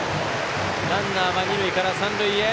ランナーは二塁から三塁へ。